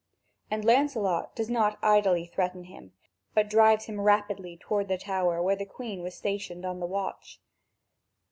And Lancelot does not idly threaten him, but drives him rapidly toward the tower where the Queen was stationed on the watch.